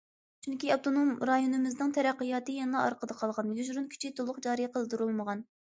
چۈنكى ئاپتونوم رايونىمىزنىڭ تەرەققىياتى يەنىلا ئارقىدا قالغان، يوشۇرۇن كۈچى تولۇق جارى قىلدۇرۇلمىغان.